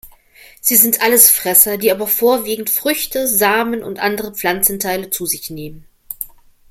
Sie sind Allesfresser, die aber vorwiegend Früchte, Samen und andere Pflanzenteile zu sich nehmen.